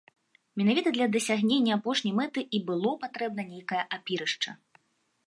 Менавіта для дасягнення апошняй мэты і было патрэбна нейкае апірышча.